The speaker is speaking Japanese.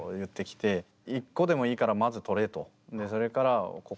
１個でもいいからまず取れと。